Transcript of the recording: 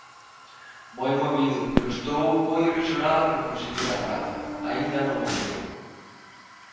Moi movido, pero estou moi ilusionada por conseguir a praza, aínda non o creo!